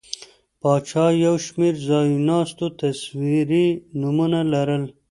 پاچا یو شمېر ځایناستو تصویري نومونه لرل.